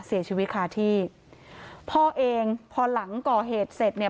เสียชีวิตคาที่พ่อเองพอหลังก่อเหตุเสร็จเนี่ย